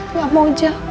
nggak mau jawab